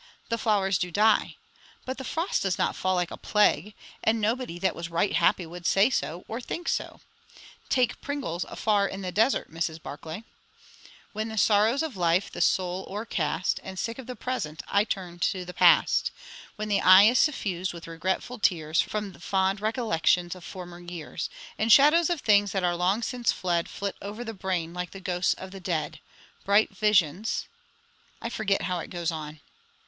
"The flowers do die. But the frost does not fall like a plague; and nobody that was right happy would say so, or think so. Take Pringle's 'Afar in the Desert,' Mrs. Barclay 'When the sorrows of life the soul o'ercast, And sick of the present I turn to the past; When the eye is suffused with regretful tears From the fond recollections of former years, And shadows of things that are long since fled, Flit over the brain like the ghosts of the dead; Bright visions ' I forget how it goes on."